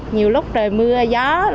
nhiều lúc trời mưa gió